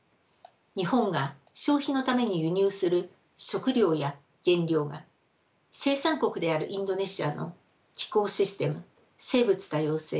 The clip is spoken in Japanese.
日本が消費のために輸入する食料や原料が生産国であるインドネシアの気候システム生物多様性